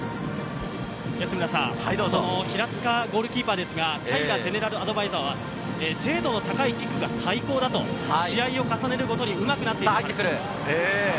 平塚ゴールキーパーは平アドバイザーは、精度の高いキックが最高だ、試合を重ねるごとにうまくなっている。